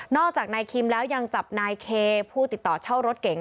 จากนายคิมแล้วยังจับนายเคผู้ติดต่อเช่ารถเก๋ง